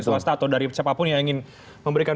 swasta atau dari siapapun yang ingin memberikan